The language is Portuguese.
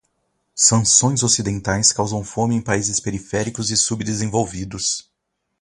Sanções ocidentais causam fome em países periféricos e subdesenvolvidos